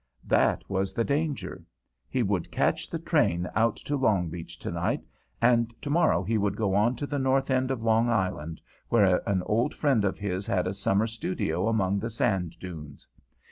That was the danger. He would catch the train out to Long Beach tonight, and tomorrow he would go on to the north end of Long Island, where an old friend of his had a summer studio among the sand dunes.